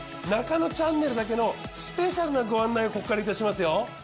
『ナカノチャンネル』だけのスペシャルなご案内をここからいたしますよ。